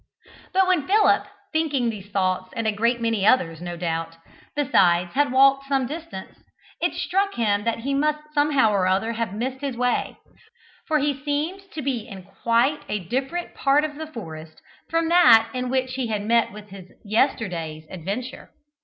But when Philip, thinking these thoughts and a great many others, no doubt, besides, had walked some distance, it struck him that he must somehow or other have missed his way, for he seemed to be in quite a different part of the forest from that in which he had met with his yesterday's adventure.